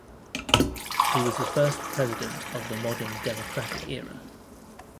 He was the first president of the modern democratic era.